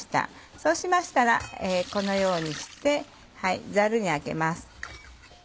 そうしましたらこのようにしてザルに上げます。